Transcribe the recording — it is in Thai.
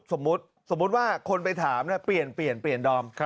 สมมุติว่าคนไปถามเปลี่ยนดอม